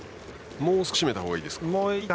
もう少し攻めたほうがいいですか。